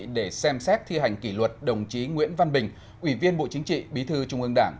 để xem xét thi hành kỷ luật đồng chí nguyễn văn bình ủy viên bộ chính trị bí thư trung ương đảng